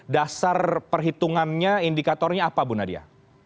dasar perhitungannya indikatornya apa bu nadia